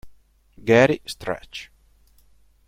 Gary Stretch